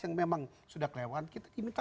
yang memang sudah kelewatan kita diminta